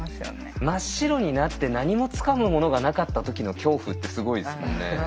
真っ白になって何もつかむものがなかった時の恐怖ってすごいですもんね。